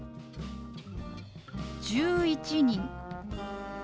「１１人」。